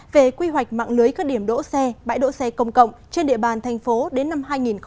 về quy hoạch mạng lưới các điểm đỗ xe bãi đỗ xe công cộng trên địa bàn thành phố đến năm hai nghìn hai mươi